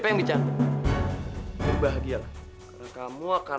ini tempat apa lagi kok